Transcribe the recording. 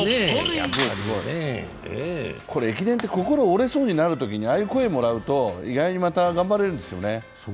これ駅伝って心折れそうになるときに、ああいう声もらうと、意外に頑張れるんですよね。